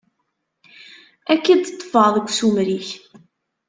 Ad k-id-ṭṭfeɣ deg ussumer-ik.